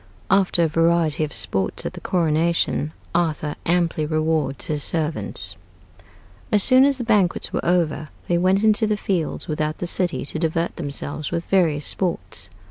AFTER A VARIETY OF SPORTS AT THE CORONATION, ARTHUR AMPLY REWARDS HIS SERVANTS As soon as the banquets were over they went into the fields without the city to divert themselves with various sports.